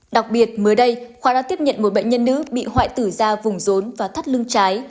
đặc biệt mới đây khoa đã tiếp nhận một bệnh nhân nữ bị hoại tử ra vùng rốn và thắt lưng trái